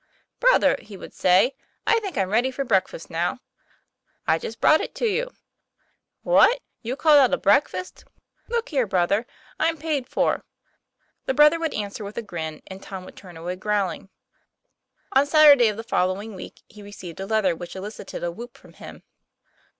"Brother," he would say, "I think I'm r^ady for breakfast now." " I just brought it to you." "What! you call that a breakfast? Look here, brother, I'm paid for." The brother would answer with a grin, and Tom would turn away growling. TOM PLA YfiAlR. 127 On Saturday of the following week he received a letter which elicited a whoop from him.